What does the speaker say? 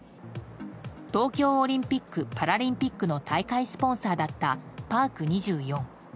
東京オリンピック・パラリンピックの大会スポンサーだったパーク２４。